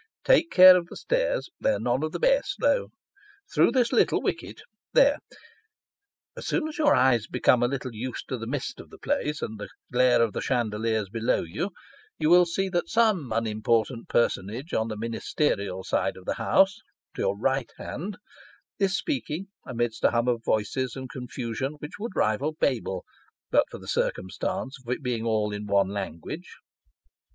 Take care of the stairs, they are none of the best ; through this little wicket there. As soon as your eyes become a little used to the mist of the place, and the glare of the chandeliers below you, you will see that some unimportant personage on the Ministerial side of the House (to your right hand) is speaking, amidst a hum of voices and con fusion which would rival Babel, but for the circumstance of its being all in one language.